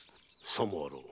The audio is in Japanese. さもあろう。